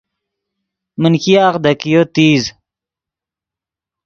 من ګیاغ دے کئیو تیز